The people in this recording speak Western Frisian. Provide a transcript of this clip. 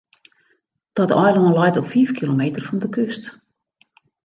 Dat eilân leit op fiif kilometer fan de kust.